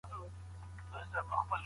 شاه شجاع به په کابل کي تنظیمات کوي.